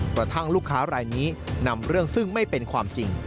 กระทั่งลูกค้ารายนี้นำเรื่องซึ่งไม่เป็นความจริง